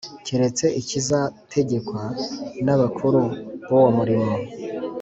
Keretse ikizategekwa n abakuru b uwo murimo